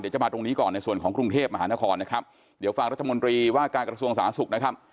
จะมาตรงนี้ก่อนในส่วนของกรุงเทพมหานครนะครับเดี๋ยวฟังรัฐมนตรีว่าการกระทรวงสาธารณสุขนะครับ